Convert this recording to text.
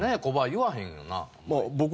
言わへんよな。